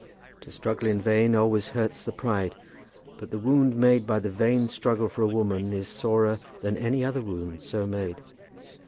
To struggle in vain always hurts the pride; but the wound made by the vain struggle for a woman is sorer than any other wound so made.